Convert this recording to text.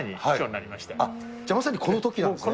じゃあ、まさにこのときです